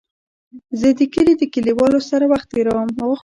زه د کلي د کليوالو سره وخت تېرووم.